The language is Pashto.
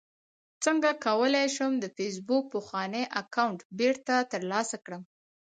څنګه کولی شم د فېسبوک پخوانی اکاونټ بیرته ترلاسه کړم